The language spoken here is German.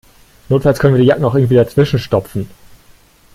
Notfalls können wir die Jacken auch irgendwie dazwischen stopfen.